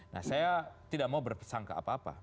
nah saya tidak mau berpesangka apa apa